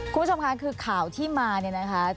คุณผู้ชมค่ะคือข่าวที่มาเนี่ยนะคะ